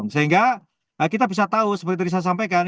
sehingga kita bisa tahu seperti tadi saya sampaikan